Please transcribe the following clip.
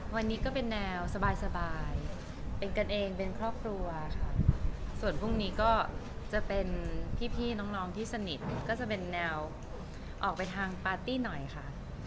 วันนี้ก็เป็นแนวสบายเป็นกันเองเป็นครอบครัวค่ะส่วนพรุ่งนี้ก็จะเป็นพี่น้องที่สนิทก็จะเป็นแนวออกไปทางปาร์ตี้หน่อยค่ะ